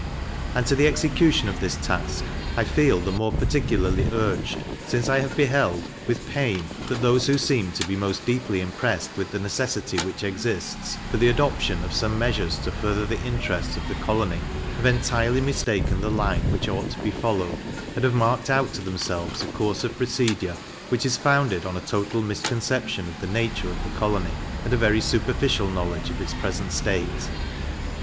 And to the execution of this task I feel the more particularly urged, since I have beheld, with pain, that those who seem to be most deeply impressed with the necessity which exists, for the adoption of some measures to further the interests of the colony, have entirely mistaken the line which ought to be followed, and have marked out to themselves a course of procedure, which is founded on a total misconception of the nature of the colony, and a very superficial knowledge of its present state.